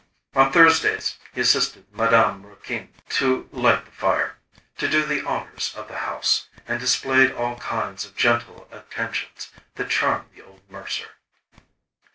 On Thursdays he assisted Madame Raquin to light the fire, to do the honours of the house, and displayed all kinds of gentle attentions that charmed the old mercer.